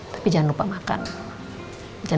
tapi jangan lupa makan